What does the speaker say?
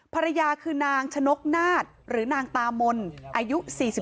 ภรรยาคือนางชนกนาฏหรือนางตามนอายุ๔๒